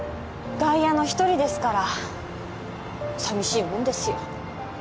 外野の一人ですから寂しいもんですよ